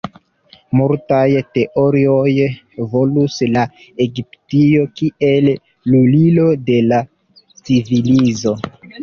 Multaj teorioj volus la Egiptio kiel lulilo de la civilizo.